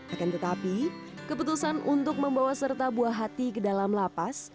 akan tetapi keputusan untuk membawa serta buah hati ke dalam lapas